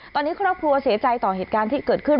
ตอนนี้ครอบครัวเสียใจต่อเหตุการณ์ที่เกิดขึ้น